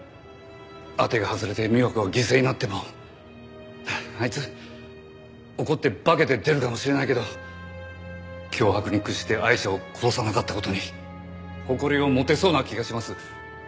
当てが外れて美和子が犠牲になってもあいつ怒って化けて出るかもしれないけど脅迫に屈してアイシャを殺さなかった事に誇りを持てそうな気がします。